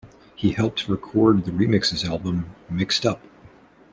He helped record the re-remixes album "Mixed Up".